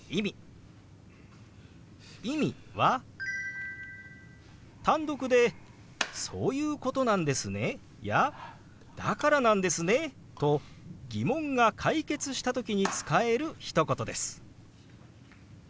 「意味」は単独で「そういうことなんですね」や「だからなんですね」と疑問が解決した時に使えるひと言です。